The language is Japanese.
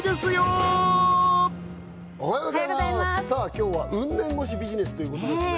今日はウン年越しビジネスっていうことですね